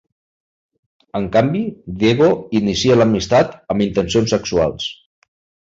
En canvi, Diego inicia l'amistat amb intencions sexuals.